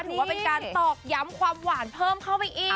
ถือว่าเป็นการตอกย้ำความหวานเพิ่มเข้าไปอีก